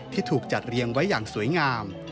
ที่ถูกจัดเรียงไว้อย่างสวยงาม